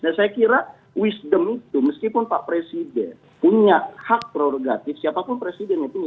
dan saya kira wisdom itu meskipun pak presiden punya hak prorogatif siapapun presidennya itu